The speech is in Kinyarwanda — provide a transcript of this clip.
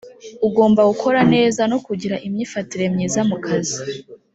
ugomba gukora neza no kugira imyifatire myiza mu kazi